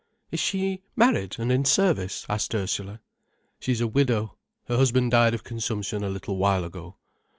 "Is she married and in service?" asked Ursula. "She is a widow. Her husband died of consumption a little while ago."